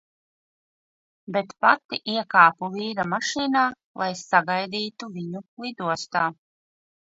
Bet pati iekāpu vīra mašīnā, lai "sagaidītu" viņu lidostā.